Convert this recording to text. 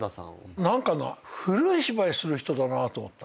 古い芝居する人だなと思った。